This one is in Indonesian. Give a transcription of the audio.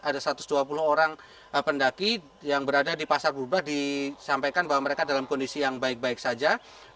ada satu ratus dua puluh orang pendaki yang berada di pasar gubah disampaikan bahwa mereka dalam kondisi yang baik baik saja